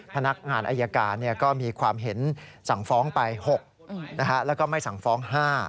พนักงานอายการก็มีความเห็นสั่งฟ้องไป๖แล้วก็ไม่สั่งฟ้อง๕